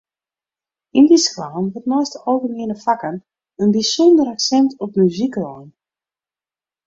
Yn dy skoallen wurdt neist de algemiene fakken in bysûnder aksint op muzyk lein.